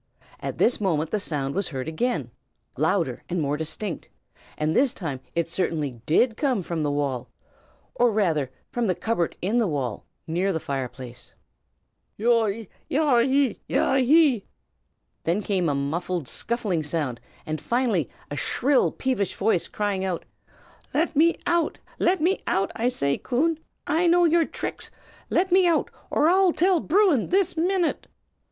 At this moment the sound was heard again, louder and more distinct, and this time it certainly did come from the wall, or rather from the cupboard in the wall, near the fireplace. "Yaw haw! yaw ah hee!" Then came a muffled, scuffling sound, and finally a shrill peevish voice cried, "Let me out! let me out, I say! Coon, I know your tricks; let me out, or I'll tell Bruin this minute!"